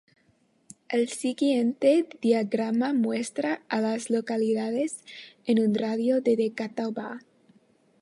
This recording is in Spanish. El siguiente diagrama muestra a las localidades en un radio de de Catawba.